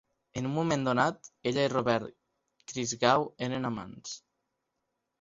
En un moment donat, ella i Robert Christgau eren amants.